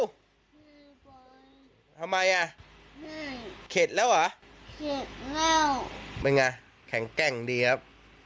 ทำไมอ่ะเข็ดแล้วเหรอเข็ดอ้าวเป็นไงแข็งแกร่งดีครับ